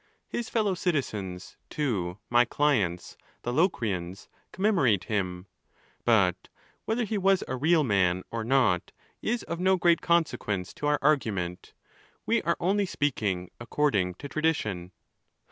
His fellow citizens too, my clients, the Locrians, commemorate him; but whether he was a real man or not, is of no great consequence to our argument : we are only speaking according to tradition.